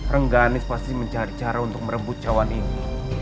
rengganis pasti mencari cara untuk merebut cawan ini